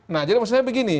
nah jadi maksudnya begini